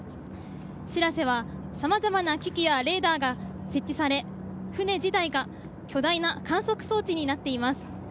「しらせ」は様々な機器やレーダーが設置され船自体が巨大な観測装置になっています。